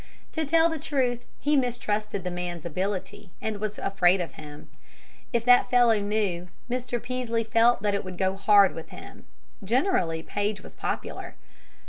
To tell the truth, he mistrusted the man's ability, and was afraid of him. If that fellow knew, Mr. Peaslee felt that it would go hard with him. Generally, Paige was popular.